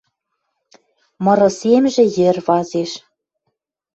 Мыры семжӹ йӹр вазеш.